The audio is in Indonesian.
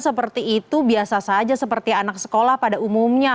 seperti itu biasa saja seperti anak sekolah pada umumnya